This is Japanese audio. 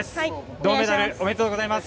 銅メダルおめでとうございます。